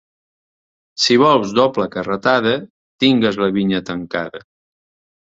Si vols doble carretada tingues la vinya tancada.